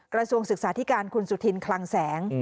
กระทรวงศึกษาธิการคุณสุธินคลังแสง